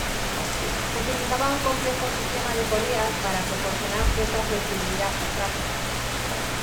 Utilizaba un complejo sistema de poleas para proporcionar cierta flexibilidad al traje.